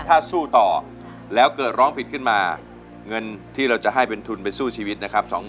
ถ้าสู้ต่อแล้วเกิดร้องผิดขึ้นมาเงินที่เราจะให้เป็นทุนไปสู้ชีวิตนะครับ